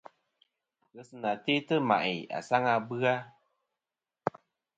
Ghesɨnà te'tɨ ma'i asaŋ a bɨ-a.